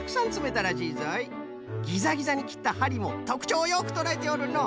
ギザギザにきったはりもとくちょうをよくとらえておるのう。